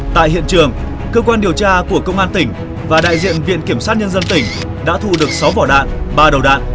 tại hiện trường cơ quan điều tra của công an tỉnh và đại diện viện kiểm sát nhân dân tỉnh đã thu được sáu vỏ đạn ba đầu đạn